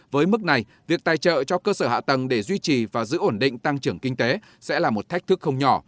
với mức này việc tài trợ cho cơ sở hạ tầng để duy trì và giữ ổn định tăng trưởng kinh tế sẽ là một thách thức không nhỏ